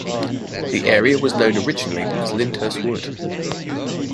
The area was known originally as Lyndhurst Wood.